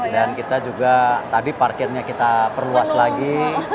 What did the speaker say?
dan kita juga tadi parkirnya kita perluas lagi